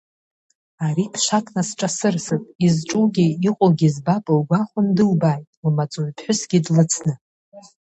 Ари ԥшак насҿасырсып, изҿугьы, иҟоугьы збап лгәахәын дылбааит, лмаҵуҩԥҳәысгьы длыцны.